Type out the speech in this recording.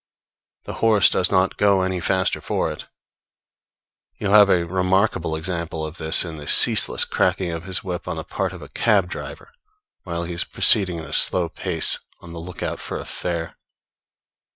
The horse does not go any faster for it. You have a remarkable example of this in the ceaseless cracking of his whip on the part of a cab driver, while he is proceeding at a slow pace on the lookout for a fare.